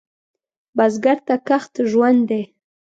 بزګر ته کښت ژوند دی